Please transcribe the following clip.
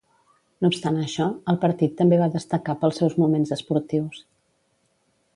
No obstant això, el partit també va destacar pels seus moments esportius.